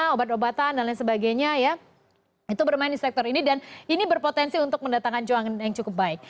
obat obatan dan lain sebagainya ya itu bermain di sektor ini dan ini berpotensi untuk mendatangkan juangan yang cukup baik